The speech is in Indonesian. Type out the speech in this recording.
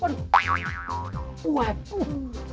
aduh aduh aduh aduh